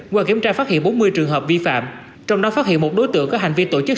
qua kiểm tra phát hiện bốn mươi trường hợp vi phạm trong đó phát hiện một đối tượng có hành vi tổ chức